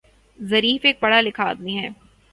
Zarif ایک پڑھا لکھا آدمی ہے